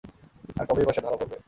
আর কবেই বা সে ধরা পড়বে?